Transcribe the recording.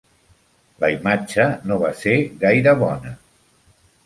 La imatge no va ser gaire bona.